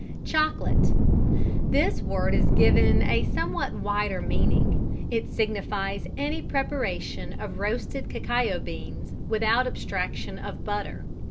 Chocolate. This word is given a somewhat wider meaning. It signifies any preparation of roasted cacao beans without abstraction of butter.